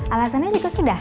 alasannya juga sudah